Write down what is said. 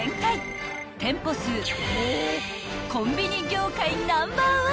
［店舗数コンビニ業界ナンバーワン］